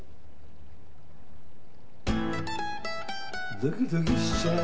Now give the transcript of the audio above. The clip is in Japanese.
ドキドキしちゃう。